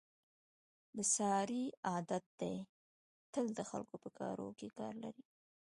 د سارې عادت دی تل د خلکو په کاروکې کار لري.